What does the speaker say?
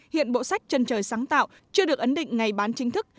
hiện bộ sách trần trời sáng tạo chưa được ấn định ngày bán chính thức